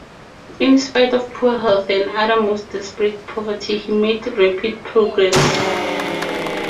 In spite of poor health and the most desperate poverty, he made rapid progress.